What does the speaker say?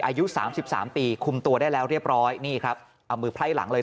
อายุสามสิบสามปีคุมตัวได้แล้วเรียบร้อยนี่ครับเอามือไพร่หลังเลย